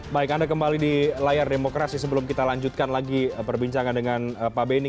baik anda kembali di layar demokrasi sebelum kita lanjutkan lagi perbincangan dengan pak benny